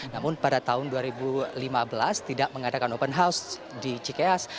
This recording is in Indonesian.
namun pada tahun dua ribu lima belas tidak mengadakan open house di cikeas